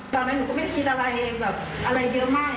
ตอนนั้นหนูก็ไม่คิดอะไรแบบอะไรเยอะมาก